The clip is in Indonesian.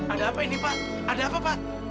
ada apa ini pak ada apa pak